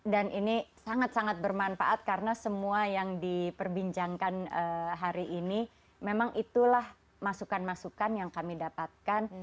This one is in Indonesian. dan ini sangat sangat bermanfaat karena semua yang diperbincangkan hari ini memang itulah masukan masukan yang kami dapatkan